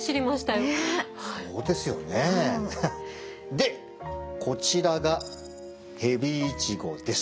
でこちらがヘビイチゴです。